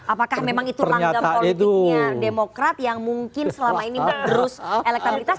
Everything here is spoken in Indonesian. apakah memang itu langgam politiknya demokrat yang mungkin selama ini menerus elektabilitas